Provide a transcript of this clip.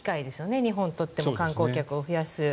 日本にとっても観光客を増やす。